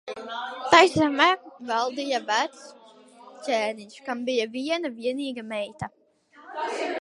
Tai zemē valdīja vecs ķēniņš, kam bija viena vienīga meita.